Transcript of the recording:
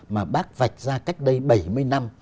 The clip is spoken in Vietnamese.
mà bác vạch ra cách đây bảy mươi năm